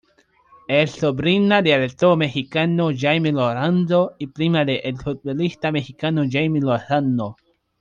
Es sobrina del actor mexicano Jaime Lozano y prima del exfutbolista mexicano Jaime Lozano.